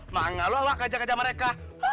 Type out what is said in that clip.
makanya lu awak ajak ajak mereka